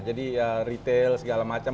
jadi retail segala macam